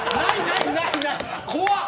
怖っ！